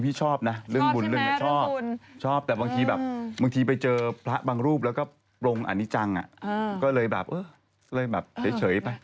พี่ชอบน่ะเรื่องบุญชอบแต่บางทีบางทีไปเจอพระบางรูปลงอนิจังก็เลยเฉยไป